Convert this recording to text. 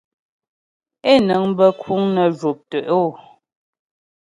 Ě nəŋ bə kùŋ nə jwɔ̀p tə’o.